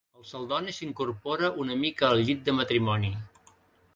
El Celdoni s'incorpora una mica al llit de matrimoni.